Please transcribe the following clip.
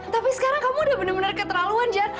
tapi sekarang kamu udah bener bener keterlaluan jan